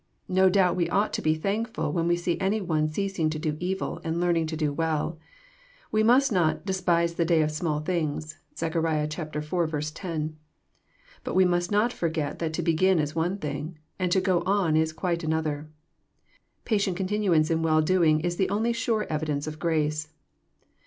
No doubt we ought to be thank ful when we see any one ceasing to do evil and learning to do well. We must not despise the day of small things." (Zech. iv. 10.) But we must not forget that to begin is one thing, and to go on is quite another. Patient continuance in well doing is the only sure evidence of grace.